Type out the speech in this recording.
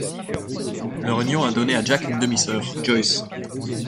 Leur union a donné à Jack une demi-sœur, Joyce.